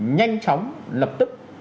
nhanh chóng lập tức